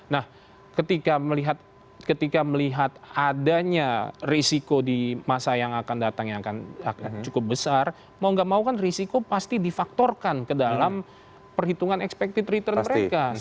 nah ketika melihat adanya risiko di masa yang akan datang yang akan cukup besar mau gak mau kan risiko pasti difaktorkan ke dalam perhitungan expected return mereka